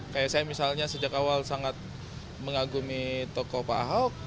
kayak saya misalnya sejak awal sangat mengagumi tokoh pak ahok